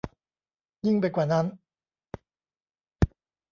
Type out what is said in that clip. ยิ่งไปกว่านั้น